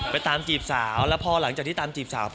ตามจีบสาวแล้วพอหลังจากที่ตามจีบสาวป